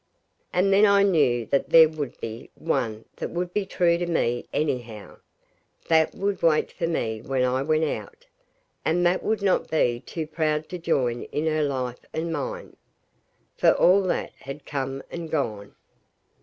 And then I knew that there would be one that would be true to me anyhow, that would wait for me when I went out, and that would not be too proud to join in her life with mine, for all that had come and gone.